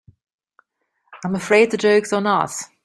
I'm afraid the joke's on us.